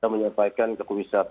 menyampaikan ke kuis satu